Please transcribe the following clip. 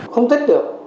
không tích được